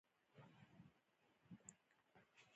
استاد د کور، مکتب او ملت خدمت کوي.